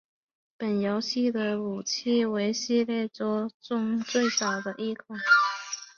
本游戏的武器为系列作中最少的一款。